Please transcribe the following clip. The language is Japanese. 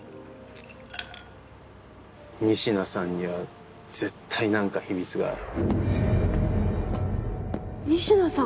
仁科さんには絶対何か秘密がある。